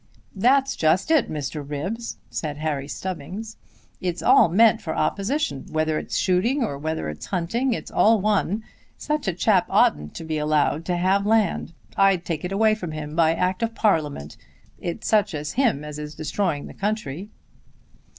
"That's just it, Mr. Ribbs," said Harry Stubbings. "It's all meant for opposition. Whether it's shooting or whether it's hunting, it's all one. Such a chap oughtn't to be allowed to have land. I'd take it away from him by Act of Parliament. It's such as him as is destroying the country."